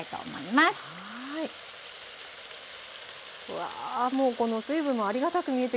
わもうこの水分もありがたく見えてきます。